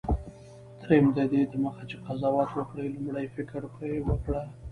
دریم: ددې دمخه چي قضاوت وکړې، لومړی فکر پر وکړه.